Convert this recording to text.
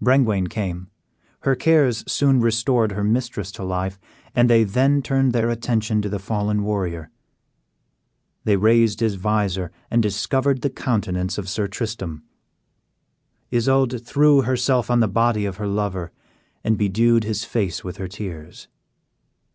Brengwain came; her cares soon restored her mistress to life, and they then turned their attention to the fallen warrior. They raised his visor, and discovered the countenance of Sir Tristram. Isoude threw herself on the body of her lover, and bedewed his face with her tears.